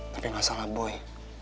tapi masalah boy